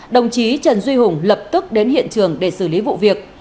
đồng chí trần duy hùng lập tức đến hiện trường để xử lý vụ việc